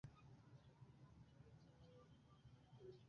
Sur la muroj estas malnovaj fotoj.